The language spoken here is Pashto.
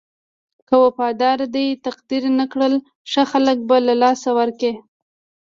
که وفادار دې تقدير نه کړل ښه خلک به له لاسه ورکړې.